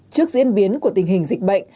trước diễn biến của tình hình dịch bệnh